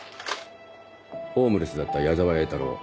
ホームレスだった矢澤栄太郎